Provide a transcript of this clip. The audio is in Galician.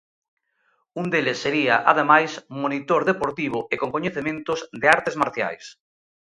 Un deles sería, ademais, monitor deportivo e con coñecementos de artes marciais.